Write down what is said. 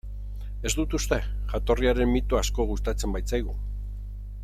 Ez dut uste, jatorriaren mitoa asko gustatzen baitzaigu.